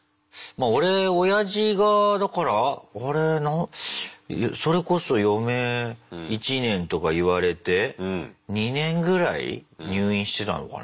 俺おやじがだからそれこそ余命１年とか言われて２年ぐらい入院してたのかな。